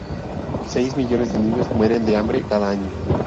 Seis millones de niños mueren de hambre cada año.